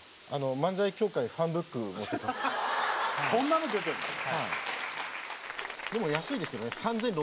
『漫才協会ファンブック』錦鯉も入ってんのか。